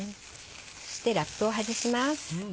そしてラップを外します。